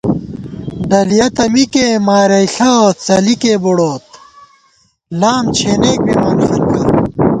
ڈلِیَہ تہ مِکےمارَئیݪہ څَلِکےبُڑوت لام چھېنېک بِمان خلکا